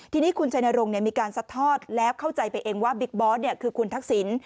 ทีนี้คุณชัยนรงค์มีการซัดทอดแล้วเข้าใจไปเองว่าบิ๊กบอสคือคุณทักษิณ